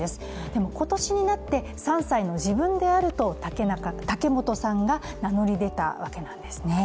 でも今年になって３歳の自分であると竹本さんが名乗り出たわけなんですね。